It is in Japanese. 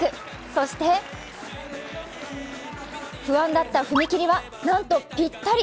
そして不安だった踏み切りは、なんとピッタリ。